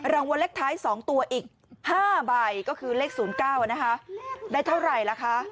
รางวัลเลขท้าย๒ตัวอีก๕ใบก็คือเลข๐๙นะคะได้เท่าไหร่ล่ะคะ